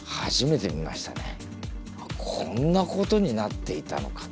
あっこんなことになっていたのかと。